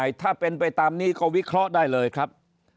ไม่อยากว่าจะเป็นไปตามนี้ก็วิเคราะห์ได้เลยครับ